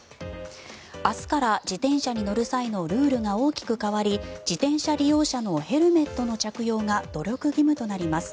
明日から自転車に乗る際のルールが大きく変わり自転車利用者のヘルメットの着用が努力義務となります。